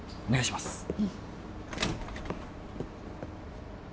お願いします